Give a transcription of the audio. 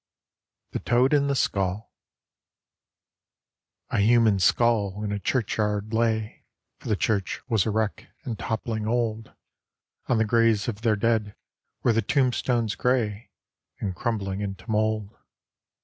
THE TOAD IN THE SKULL A human skull in a churchyard lay; For the church was a wreck, and, toppling old, On the graves of their dead, were the tombstones gray, And crumbling into mold.